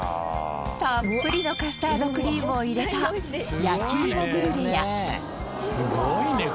たっぷりのカスタードクリームを入れた焼き芋ブリュレや。